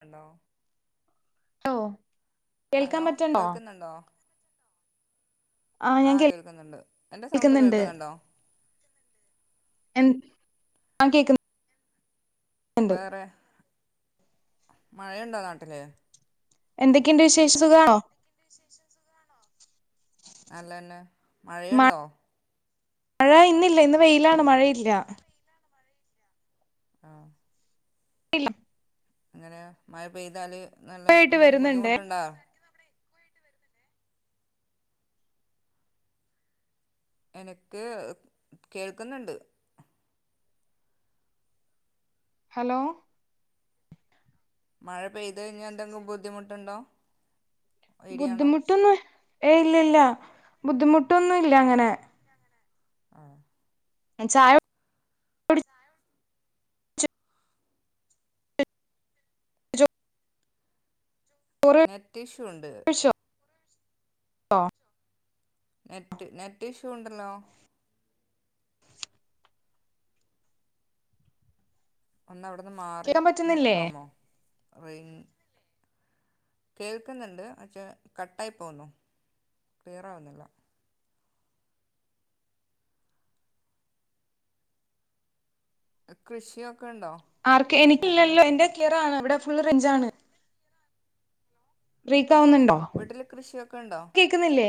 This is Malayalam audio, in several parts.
ഹലോ ലോ ഹലോ കേൾക്കുന്നുണ്ടോ ആഹ് ആ ഞാൻ കേൾക്കുന്നുണ്ട് എന്റെ സൗണ്ട് കേൾക്കുന്നുണ്ട് കേൾക്കുന്നുണ്ടോ എൻ ആ കേക്കുന്നു വേറെ മഴയുണ്ടോ നാട്ടില് എന്തൊക്കെണ്ട് വിശേഷം സുഖാണോ [unintelligible] നല്ലന്നെ മഴയുണ്ടോ മഴ ഇന്നില്ല. ഇന്ന് വെയിലാണ് മഴയില്ല ആഹ് ഇല്ല എങ്ങനെയാ മയ പെയ്താല് ന്ന്ള്ളേ യിട്ട് എന്തേലും വരുന്നുണ്ടേ ബുദ്ധിമുട്ടുണ്ടോ എനക്ക് കേൾക്കുന്നുണ്ട് ഹലോ മഴ പെയ്ത് കഴിഞ്ഞ എന്തെങ്കിലും ബുദ്ധിമുട്ടുണ്ടോ ഏരിയാണോ ബുദ്ധിമുട്ടൊന്നും ഏയ്‌ ഇല്ല ല്ല. ബുദ്ധിമുട്ടൊന്നും ഇല്ല അങ്ങനെ ആഹ് ഞാൻ ചായ കുടിച്ചോ? നെറ്റ് ഇഷ്യു ഉണ്ട് ണ്ടോ നെറ്റ് നെറ്റ് ഇഷ്യൂ ഉണ്ടല്ലോ ഒന്നവിടെ മാറി കേക്കാൻ പറ്റുന്നില്ലേ നിക്കാമോ റെയിൽ കേൾക്കുന്നുണ്ട് പക്ഷേ കട്ടായി പോകുന്നു ക്ലിയർ ആവുന്നില്ല കൃഷിയൊ ആർക്ക് എനിക്കില്ലല്ലോ എന്റെ റാണ് ഇവിടെ ഫുൾ റേഞ്ച് ആണ് പ്രീ ക്കുന്നുണ്ടോ വീട്ടില് കൃഷിയൊക്കെ ഉണ്ടോ കേക്കുന്നില്ലേ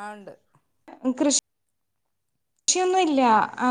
ആ ണ്ട് കൃഷി കൃഷിയൊന്നുമില്ല ആ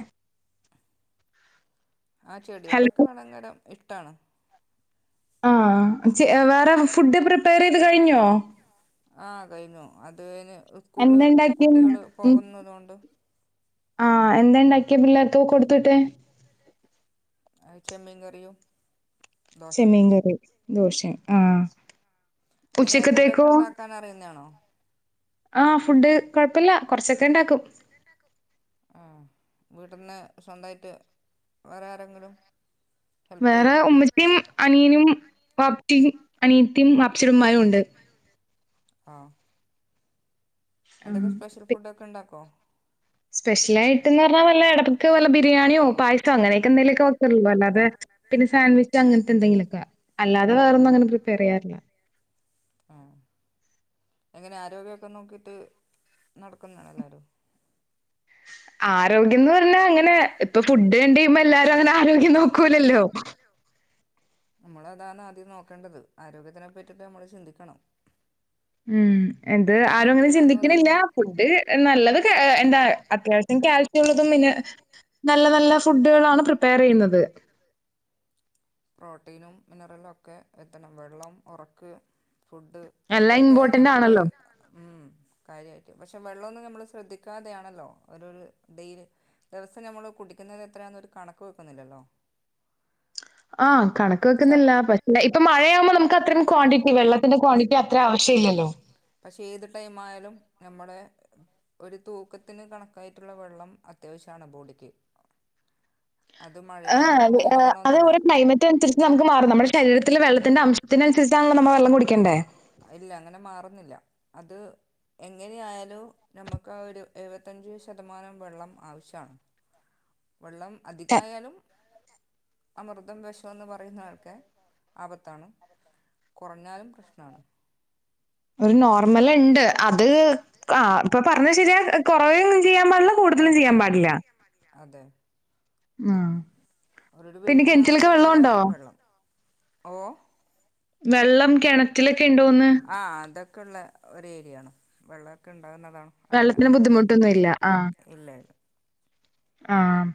[unintelligible] ആ ഹലോ ചെടികളൊക്കെ [unintelligible] ട്ടാണ് ആ വേറെ ഫുഡ് പ്രിപ്പയറ് ചെയ്ത് കഴിഞ്ഞോ ആ കഴിഞ്ഞു അത് ന് സ്കൂളില് എന്തെണ്ടാക്കിയെന്ന് കുട്ടികള് പോകുന്നത് കൊണ്ട് ആ എന്താണ്ടാക്കിയെ പിള്ളേർക്കൊക്കെ കൊടുത്ത് വിട്ടേ അഹ് ചെമ്മീൻ കറിയും ദോശയും ചെമ്മീൻകറി ദോശയും ആ എങ്ങനെ ഫുഡൊക്കെ ഉച്ചക്കത്തേക്കോ ഉണ്ടാക്കാൻ അറിയുന്നതാണോ ആ ഫുഡ് കൊഴപ്പല്ല കൊറച്ചൊക്കെ ണ്ടാക്കും ആ വീട്ടിന്ന് സ്വന്തമായിട്ട് വേറെ ആരെങ്കിലും ഹെൽപ്പ് വേറെ ചെയ്യുമോ ഉമ്മച്ചിയും അനിയനും വാപ് പ്പിയും അനിയത്തിയും വാപ്പ് ച്ചീടെ ഉമ്മായും ഉണ്ട് ആ എന്തൊക്കെ സ്പെഷ്യൽ ഫുഡ് ഒക്കെ ണ്ടാക്കോ സ്പെഷ്യൽ ആയിട്ട്ന്ന് പറഞ്ഞാൽ വല്ല എടക്ക് വല്ല ബിരിയാ ണിയോ പായസം അങ്ങനെയൊക്കെ എന്തേലുവൊ ക്കെ വെക്കും അല്ലാതെ പിന്നെ സാൻവിച്ച് അങ്ങനത്തെന്തെങ്കിലും ഒക്കെ അല്ലാതെ വേറൊന്നും അങ്ങനെ പ്രിപ്പയർ ചെയ്യാറില്ല ആ എങ്ങനെ ആരോഗ്യക്കെ നോക്കിട്ട് നടക്കുന്നതാണോ എല്ലാരും ആരോഗ്യം ന്ന് പറഞ്ഞാ അങ്ങനെ ഇപ്പൊ ഫുഡ് കണ്ട് കഴിയുമ്പോ എല്ലാരും അങ്ങനെ ആരോഗ്യം നോക്കൂലല്ലോ നമ്മൾ അതാണ് ആദ്യം നോക്കേണ്ടത് ആരോഗ്യത്തിനെ പറ്റിട്ട് നമ്മള് ചിന്തിക്കണം ഉം എന്ത് ആരും അങ്ങനെ ആരോഗ്യമെന്ന് ചിന്തിക്ക്ണില്ല പറയുമ്പോൾ ഫുഡ് നല്ലത് എന്താ അത്യാവശ്യ ഞാൻ കാൽസ്യമുള്ളതും പിന്നെ നല്ല നല്ല ഫുഡുകളാണ് പ്രിപ്പയർ ചെയ്യുന്നത് പ്രോട്ടീനും മിനറലും ഒക്കെ എത്തണം വെള്ളം ഒറക്ക് ഫുഡ് എല്ലാം ഇതൊക്കെ ഇമ്പോർട്ടന്റ് നമുക്ക് ആണല്ലോ. കാര്യമായിട്ട് മ് പക്ഷെ പക്ഷെ വെള്ളമൊന്നും നമ്മള് ശ്രദ്ധിക്കാതെയാണല്ലോ ഒരു ഡെയ്ലി ദിവസം നമ്മൾ കുടിക്കുന്നത് എത്രയാന്നൊരു കണക്ക് വെക്കുന്നില്ലല്ലോ ആ കണക്ക് ച വെക്കുന്നില്ല പക്ഷേ ഇപ്പൊ മഴയാകുമ്പോ, നമുക്ക് അത്രയും ക്വാണ്ടിറ്റി വെള്ള ക്വാണ്ടിറ്റി അത്ര ആവ പക്ഷെ ഏത് ടൈം ആയാലും നമ്മുളെ ഒരു തൂക്കത്തിന് കണക്കായിട്ടുള്ള വെള്ളം അത്യാവശ്യമാണ് ബോഡിക്ക് അത് ആ മഴയാണോ അ അത് വെയിലാണോന്നല്ല ഓരോ ക്ലൈമറ്റ് അനുസരിച്ച് നമുക്ക് മാറും നമ്മുടെ ശരീരത്തിലെ വെള്ള ത്തിന്റെ അംശത്തിനുസരിച്ചാണല്ലൊ നമ്മൾ വെള്ളം കുടിക്കേണ്ടേ.. ഇല്ല അങ്ങനെ മാറുന്നില്ല. അത് എങ്ങനെ ആയാലും നമുക്ക് ഒരു ആ ഒരു എഴുപത്തഞ്ച് ശതമാനം വെള്ളം ആവശ്യമാണ്. വെള്ളം ശ അധികായാലും അമൃതം വിഷമെന്ന് പറയുന്ന കണക്കെ ആപത്താണ്, കുറഞ്ഞാലും പ്രശ്ന മാണ്. ഒരു നോർമൽ ഉണ്ട് അത്, ആ ഇപ്പൊ പറഞ്ഞ ശരിയാ കുറവ് ചെയ്യാൻ പാടില്ല കൂടുതലും ചെയ്യാൻ പാടില്ലാത്തതും. അതെ. ആഹ് അവരുടെ പിന്നെ വെയ്റ്റിനു കെണറ്റിലൊക്കെ കണക്കായിട്ടുള്ള വെള്ളോണ്ടോ? വെള്ളം ഓ വെള്ളം കിണറ്റിലൊക്കെ ഉണ്ടോന്ന് ആ അതൊക്കെയുള്ള ഒരു ഏരിയയാണ്. വെള്ളമൊക്കെ ഉണ്ട്. ഉണ്ടാകുന്നതാണോ അങ്ങനെ വെള്ളത്തിന് ബുദ്ധിമുട്ടൊന്നുല്ല. പറ്റുന്നതല്ല ആഹ് ഇല്ലാ ഇല്ല. ആഹ്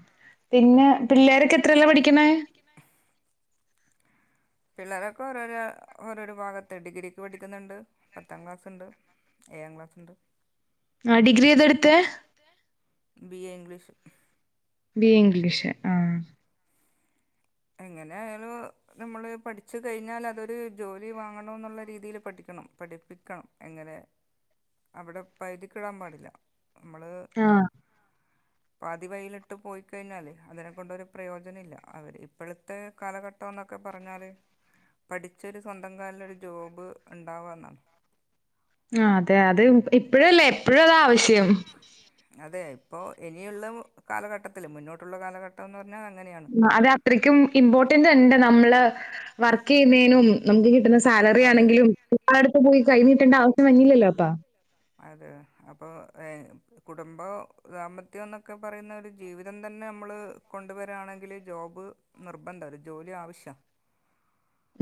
പിന്നെ, പിള്ളേരൊക്കെ എത്രേലാ പഠിക്കുന്നെ? പിള്ളേരൊക്കെ ഓരോര ഓരോരോ ഭാഗത്ത്, ഡിഗ്രിക്ക് പഠിക്കുന്നുണ്ട്, പത്താം ക്ലാസ്ണ്ട്, ഏഴാം ക്ലാസ്ണ്ട്. ആ ഡിഗ്രി ഏതാടുത്തെ? B A English. B A English ആഹ്. എങ്ങനെ ആയാലും നമ്മള് പഠിച്ചു കഴിഞ്ഞാൽ അതൊരു ജോലി വാങ്ങണം എന്നുള്ള രീതിൽ പഠിക്കണം, പഠിപ്പിക്കണം എങ്ങനെ അവിടെ പകുതിക്കിടാൻ പാടില്ല. നമ്മള് ആഹ് പാതിവഴിയിലിട്ട് പോയി ക്കഴിഞ്ഞാല്, അതിനെ കൊണ്ട് ഒരു പ്രയോജനം ഇല്ല അവര് ഇപ്പോഴത്തെ കാലഘട്ടം എന്നൊക്കെ പറഞ്ഞാല്, പഠിച്ചൊരു സ്വന്തം കാലിലൊരു ജോബ് ഉണ്ടാവുക എന്നാണ്. ഇപ്പോഴുളളാവശ്യം അതെ ഇപ്പോ ഇനിയുള്ള കാലഘട്ടത്തിൽ മുന്നോട്ടുള്ള കാലഘട്ടം എന്ന് പറ അത് അത്രയ്ക്കും ഇമ്പോർട്ടന്റ് ഉണ്ട് നമ്മ [unintelligible] വർക്ക് ചെയ്യുന്നതിനും നമുക്ക് കിട്ടുന്ന സാലറി അതെ ആണെങ്കിലും അടുത്ത് പോയി കൈനീട്ടേണ്ട ആവശ്യം വര്ന്നില്ലല്ലോ അപ്പ അതെ അപ്പൊ ഏ കുടുംബ ദാമ്പത്യം എന്നൊക്കെ പറയുന്ന ഒരു ജീവിതം തന്നെ നമ്മള് കൊണ്ടുവരാണെങ്കില് ജോബ് നിർബന്ധ ഒരു ജോലി ആവശ്യാ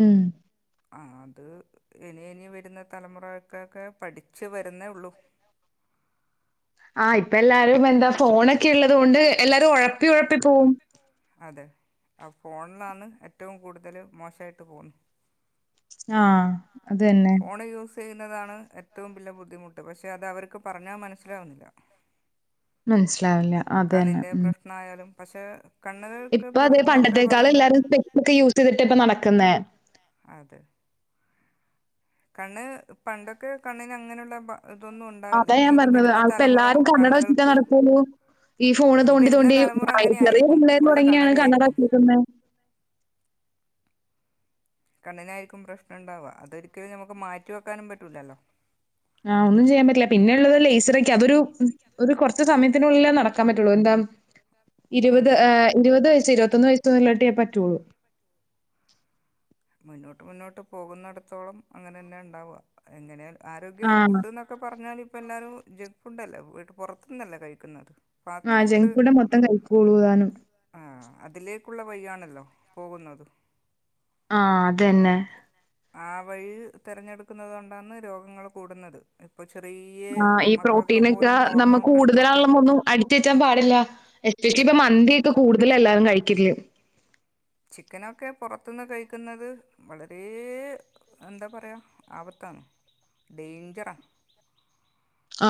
ഉം ആ അത് ഇനി ഇനി വരുന്ന തലമുറയക്കൊക്കെ പഠിച്ചു വരുന്നേ ഉള്ളു. ആഹ് ഇപ്പ എല്ലാരും എന്താ ഫോണൊക്കെ ഉള്ളത് കൊണ്ട് എല്ലാരും ഒഴപ്പി ഒഴപ്പി പോവും. അതെ ആ ഫോണിലാണ് ഏറ്റവും കൂടുതൽ മോശമായിട്ട് പോവുന്ന ആഹ് അത് തന്നെ യൂസ് ചെയ്യുന്നതാണ് ഏറ്റവും വലിയ ബുദ്ധിമുട്ട്, പക്ഷെ അത് അവർക്ക് പറഞ്ഞാ മനസ്സിലാവുന്നില്ല മനസ്സിലാവില്ല അതന്നെ ഉം പഷെ ഇപ്പൊ അതെ പണ്ടത്തെക്കാളും എല്ലാരും സ്പെക്സ് ഒക്കെ യൂസ് ചെയ്തിട്ടാ ഇപ്പ നടക്കുന്നേ. അതെ കണ്ണ് പണ്ടൊക്കെ കണ്ണിന് അങ്ങനെയുള്ള [unintelligible] ഉണ്ടാവില്ല അതാ ഇനി ഞാൻ ഇനി പറഞ്ഞത് വരുന്ന ആൾക്ക് തലമുറ എല്ലാരും കണ്ണട വെച്ചിട്ടാ കണ്ണുകൾക്ക് നടക്കുള്ളൂ, ഈ ഫോണ് ഇനി തോണ്ടി വരുന്ന തോണ്ടി തലമുറ അങ്ങനെ [unintelligible] ചെറിയ ആയിരിക്കും പിള്ളേര് ഫുള്ള് തുടങ്ങിയാണ് കണ്ണട കണ്ണടയായിരിക്കും വെച്ചിക്കുന്നെ. കണ്ണിനായിരിക്കും പ്രശ്നണ്ടാവാ, അതൊരിക്കലും നമുക്ക് മാറ്റി വെക്കാനും പറ്റൂലല്ലോ. ആഹ് ഒന്നും ചെയ്യാൻ പറ്റില്ല പിന്നെള്ളത് ലേസറൊക്കെയാ അതൊരു ഉം ഒരു കൊറച്ച് സമയത്തിനുള്ളിലേ നടക്കാൻ പറ്റുള്ളൂ എന്താ ഇരുപത് അതെ ഏഹ് ഇരുപത് വയസ്സ് ഇരുപത്തൊന്ന് വയ ചൊല്ലട്ടിയേ പറ്റുള്ളൂ മുന്നോട്ട് മുന്നോട്ട് പോകുന്നിടത്തോളം അങ്ങനെ തന്നെ ഉണ്ടാവാ എങ്ങനെ ആരോഗ്യ ആഹ് ഫുഡന്നൊക്കെ പറഞ്ഞാല് ഇപ്പ എല്ലാരും ജങ്ക് ഫുഡ് അല്ലെ വീട് പൊർത്തന്നല്ലേ കഴിക്ക്ന്നത് ബാക്കി ആഹ് ജങ്ക് ഫുഡ് മൊത്തം കഴിക്കോളൂ താനും ആ അതിലേക്കുള്ള വഴിയാണ് ണല്ലോ പോകുന്നത് ആ അതന്നെ ആ വഴി തെരഞ്ഞെട്ക്ക്ന്നത് കൊണ്ടാണ് രോഗങ്ങള് കൂട്ന്നത് ആ ഈ പ്രോട്ടീനെക്ക നമ്മ ഹോർമോൺ പ്രശ്നമൊക്കെ കൂട്തലാളമൊന്നും അടിച്ച് വെച്ചാൻ പാടില്ല എച്ചെച്ചി ഇല്ല പ്പ മന്ത്യെക്കും കൂട്തല് എല്ലാരും കഴിക്കല് ചിക്കനൊക്കെ പൊറത്ത്ന്ന് കഴിക്ക്ന്നത് വളരേ എന്താ പറയ ആപത്താണ് ഡെയ്ഞ്ചറാ ആ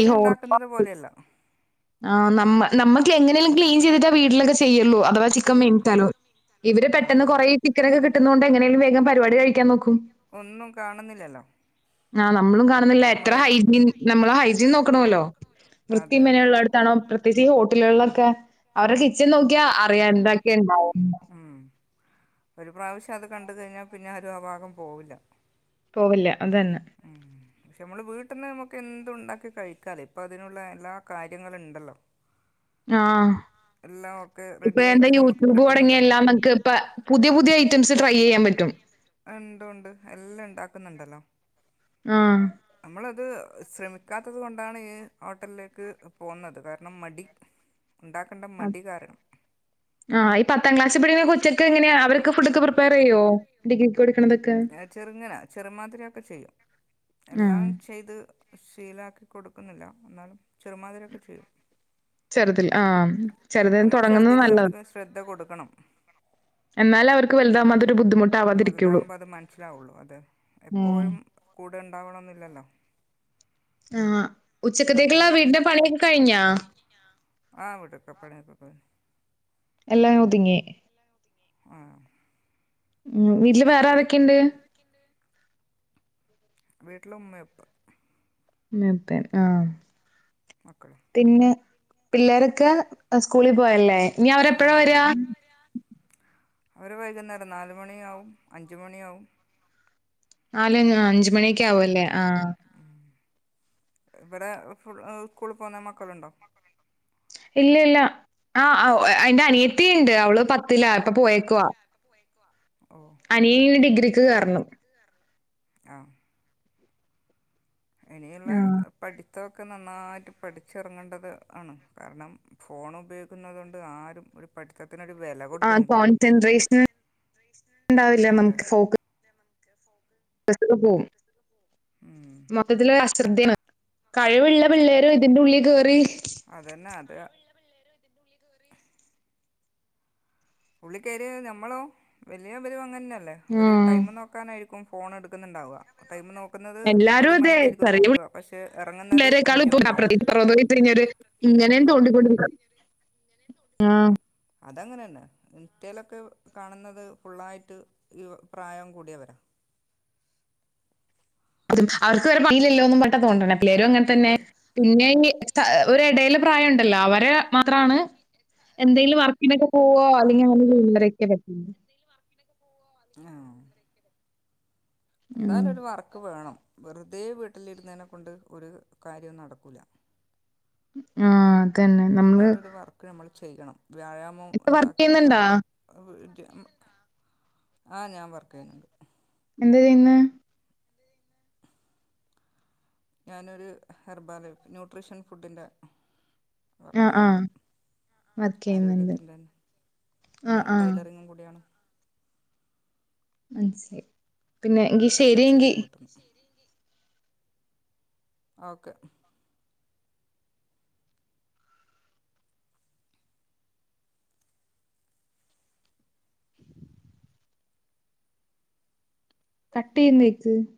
ഇ ഹോർ [unintelligible] പോലെയല്ല ആ നമ്മ നമ്മക്ക് എങ്ങനേലും ക്ലീൻ ചെയ്തിട്ടാ വീട്ടിലൊക്കെ ചെയ്യ്ള്ളൂ അ അഥവാ ചിക്കൻ മെയ്ൻ തലോ ഇവര് പെട്ടെന്ന് അതെ കൊറേ ചിക്കൻനൊക്കെ കി ട്ട്ന്നോണ്ട് എങ്ങനേലും വേഗം പരിപാടി കഴിക്കാൻ നോക്കും ഒന്നും കാണുന്നില്ലല്ലോ ആ നമ്മളും അത് കാണ്ന്നില്ലേ എത്ര നമ്മള് ഹൈജീൻ നമ്മള് ഹൈജീൻ നോക്കണമല്ലോ വൃത്തീം അതെ മെനെംയ്ള്ളട് പ്രത്യേക്ച്ച് ഈ ഹോട്ടല്കള്ലൊക്കെ അവര്ടെ കിച്ചൻ നോക്ക്യാ അറിയാ എന്തെക്കെണ്ടാവും ഉം ഒര് പ്രാവശ്യം അത് കണ്ട്കഴിഞ്ഞാ പിന്നെ ആരും ആ ഭാഗം പോവ് ല്ല പോവ് ല്ല അതന്നെ പക്ഷെ മ്മള് വീട്ട്ന്ന് നമ്ക്ക് എന്തുംണ്ടാക്കി കഴിക്കാലെ ഇപ്പൊ അതിനുള്ളെ എല്ലാ കാര്യങ്ങള്ണ്ടല്ലോ ആഹ് ഇപ്പ റെഡി എന്താ ആയിട്ട് നമുക്ക് യൂട്യൂബ് തൊടങ്ങിയ കിട്ടുന്നുണ്ടല്ലോ എല്ലാം നമുക്ക് പ്പ പുത്യെ പുത്യെ ഐറ്റംസ് ട്രൈയെയ്യാൻ പറ്റും ഉണ്ടല്ലോ ആഹ്. അമ്മളത് ശ്രമിക്കാത്തത് കൊണ്ടാണ് ഹോട്ടൽല്ക്ക് പോന്നത് കാരണം മടി ഉണ്ടാ [unintelligible] പറയോ ഡിഗ്രി ഏഹ് ചെറ്ങ്ങന ചെറുംമാതിരി ഒക്ക ചെയ്യും എല്ലാം ആഹ്. ചെയ്യ്ത് ശീലാക്കി കൊടുക്കുന്നില്ലാ ന്നാലും ചെറ്മാതിര്യാെക്കെ ചെയ്യും ചെറ്തിൽ ആം ചെറ്തിന്ന് നമ്മൾ തെടങ്ങ്ന്ന് ചെറുതിൽ നല്ലതാ അവർക്ക് ശ്രദ്ധ കൊടുക്കണം എന്നാലാവര്ക്ക് വൽതാ വല്താവ്മ്പോ അത് മൻസിലാവുള്ളൂ അതെ ഉം. എപ്പോഴും കൂടെണ്ടാവണംന്ന് ഇല്ലല്ലോ ആഹ് ഉച്ചക്കത്തേക്ക്ള്ള വീട്ട്ൻ്റ പണിയെക്ക കഴിഞ്ഞാ ആ ഇവിടിപ്പ പണിയെക്ക കഴി എല്ലാ ഒത്ങ്ങി ആ ഉം വീട്ട്ല് വേറ ആരെക്കിണ്ട് വീട്ട്ല് ഉമ്മയുപ്പ ഉം പേ ആ മക്കളും തിന്ന് പിള്ളേരൊക്ക സ്കൂളി പോയല്ലേ ഇനി അവരെപ്പഴാ ആഹ് വര്യാ അവര് വൈക്ന്നേരം നാലുമണിയാവും അഞ്ച്മണിയാവും നാല് ഞാ അഞ്ച് മണീക്ക ആവും അല്ലേ ആ ഇവിടെ ഫുൾ ഉകൂള് പോണ മക്കള്ണ്ടോ ഇല്ലില്ലാ ആ ആ ഉ എ ഐൻ്റ അനി ത്തിണ്ട് അവള് പത്തിലാ ഇപ്പ പോയേ ക്കുവാ ഓ അനിയന് ഇനി ഡിഗ്രിക്ക് കേറണം ആ ഇനിയൂള്ള ആഹ്. പടി ത്തൊക്കെ നന്നായിട്ട് പഠിച്ചിറങ്ങേണ്ടത് ആണ്. കാരണം ഫോണുപയോഗിക്കുന്നത് കൊണ്ട് ആരും ഒരു പഠിത്ത ആഹ് കോൺസെൻട്രേഷൻ ഉണ്ടാവില്ല അതെ നമുക്ക് ഫോക്കസ് ബസൊക്കെ പോവും ഉം മൊത്തത്തില് അശ്രദ്ധേണ് കഴിവ്ള്ള പിള്ളേരും ഇതിന്റെ ഉള്ളീ കേറി അതന്നെ അത് കഴിവുള്ള ഉള്ളി കയറിയാ ഞമ്മളോ, വലിയവരും അങ്ങനെന്നെ. അല്ലേ ഒരു ആഹ്. ടൈമ് നോക്കാനായിരി ക്കും ഫോൺ എടുക്കുന്നുണ്ടാവുക ടൈം നോ എല്ലാരും അതെ ഇറങ്ങുന്നത് അഞ്ച് മണിയായിരിക്കും [unintelligible] ഇങ്ങനേം തോണ്ടികൊണ്ടിരിക്കും ആമ് അതങ്ങനെ തന്നെ ഇൻസ്റ്റായിലൊക്കെ കാണുന്നത് ഫുൾ ആയിട്ട് ഈ പ്രായം കൂടിയവരാ അവർക്കു വേറെ പണി ഇല്ലല്ലോന്നും പറഞ്ഞു രാ തോണ്ടുന്നേ പക്ഷെ പിള്ളേരും അങ്ങനെ തന്നെ അത് [unintelligible] ഇടയിൽ പ്രായമുണ്ടല്ലോ അവര് മാത്രം ആണ് എന്തെങ്കിലും വർക്ക്‌ നൊക്കെ പോകുവോ അല്ലെങ്കിൽ [unintelligible] അതാ ആഹ്. എന്തായാലും ഒരു വർക്ക്‌ വേണം വെറുത- റുതെ വീട്ടിൽ ഇരുന്നേനെ കൊണ്ട് ഒരു കാര്യോം നടക്കൂല ആ തന്നെ നമ്മള് ഒരു വർക്ക് നമ്മൾ ചെയ്യണം വ്യായാമവും ഇപ്പൊ വർക്ക് ഉണ്ടാക്കി ചെയ്യുന്നുണ്ടാ? എടുക്കണം അതും വീട്ടി- ആ ഞാൻ വർക്ക്‌ ചെയുന്നുണ്ട് എന്ത് ചെയുന്നു ഞാൻ ഒരു ഹെർബാറിൽ ന്യൂട്രിഷൻ ഫുഡ്‌ ന്റെ വർക്ക്‌ ആഹ് ചെയുന്നുണ്ട് ആഹ് വർക്ക് ചെയ്യുന്നുണ്ട്. ആരോഗ്യത്തിന്റെ തന്നെ, ആഹ് പിന്നെ ആഹ് ടൈയിലറിങ് കൂടി ആണ്. ഐ സെ പിന്നെ എങ്കി ശെരി സ്റ്റിച്ച് എങ്കി ചെയ്യും വീട്ടിൽ നിന്ന് ഓക്കേ കട്ട്‌ [unintelligible]